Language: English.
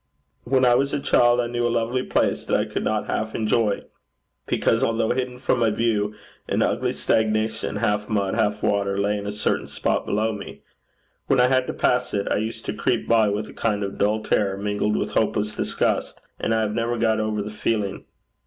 When I was a child, I knew a lovely place that I could not half enjoy, because, although hidden from my view, an ugly stagnation, half mud, half water, lay in a certain spot below me. When I had to pass it, I used to creep by with a kind of dull terror, mingled with hopeless disgust, and I have never got over the feeling.'